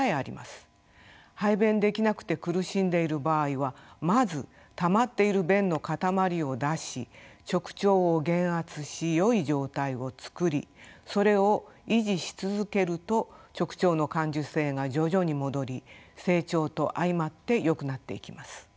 排便できなくて苦しんでいる場合はまずたまっている便の塊を出し直腸を減圧しよい状態を作りそれを維持し続けると直腸の感受性が徐々に戻り成長と相まってよくなっていきます。